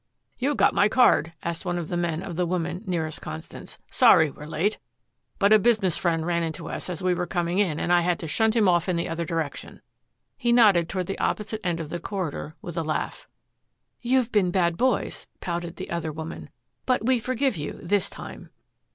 "You got my card!" asked one of the men of the woman nearest Constance. "Sorry we're late, but a business friend ran into us as we were coming in and I had to shunt him off in the other direction." He nodded toward the opposite end of the corridor with a laugh. "You've been bad boys," pouted the other woman, "but we forgive you this time."